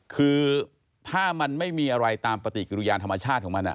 คือถ้ามันไม่มีอะไรตามปฏิกิริยานธรรมชาติของมัน